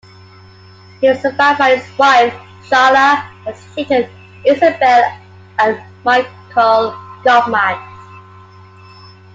He was survived by his wife, Sharla, and his children, Isabel and Michael Kaufman.